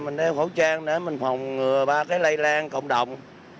mình đeo khẩu trang để mình phòng ngừa ba cái lây lan cộng đồng